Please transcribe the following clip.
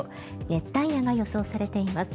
熱帯夜が予想されています。